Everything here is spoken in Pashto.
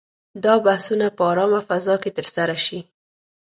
دا بحثونه په آرامه فضا کې ترسره شي.